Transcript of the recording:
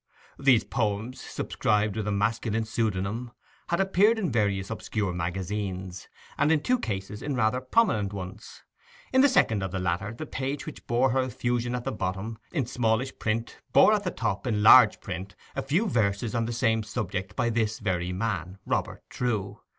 These poems, subscribed with a masculine pseudonym, had appeared in various obscure magazines, and in two cases in rather prominent ones. In the second of the latter the page which bore her effusion at the bottom, in smallish print, bore at the top, in large print, a few verses on the same subject by this very man, Robert Trewe.